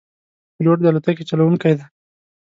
پیلوټ د الوتکې چلوونکی دی.